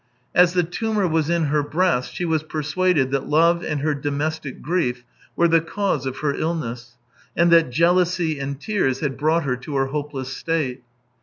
As the tumour was in her breast, she was persuaded that love and her domestic grief were the cause of her illness, and that jealousy and tears had brought her to her hopeless state.